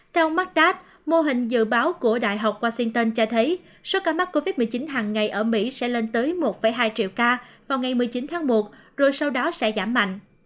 theo margdat mô hình dự báo của đại học washington cho thấy số ca mắc covid một mươi chín hàng ngày ở mỹ sẽ lên tới một hai triệu ca vào ngày một mươi chín tháng một rồi sau đó sẽ giảm mạnh